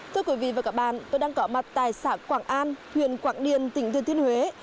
thưa quý vị và các bạn tôi đang có mặt tại xã quảng an huyện quảng điền tỉnh thừa thiên huế